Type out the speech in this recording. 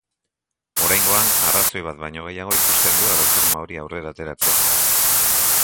Oraingoan arrazoi bat baino gehiago ikusten du erreforma hori aurrera ateratzeko.